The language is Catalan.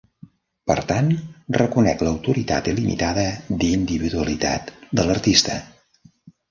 Per tant, reconec l'autoritat il·limitada d'individualitat de l'artista...